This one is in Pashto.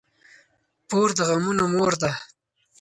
پور د غمونو مور ده.